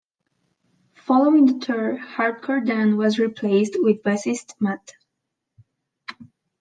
Following the tour, Hardcore Dan was replaced with bassist Matt.